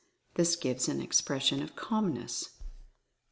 This gives an expression of Calmness.